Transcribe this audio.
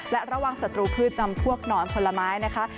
และระวังศัตรูพืชจำพวกหนอนผลไม้นะคะ